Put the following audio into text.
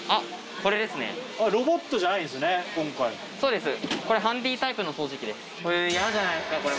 これハンディータイプの掃除機です。